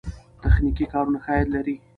تخنیکي کارونه ښه عاید لري.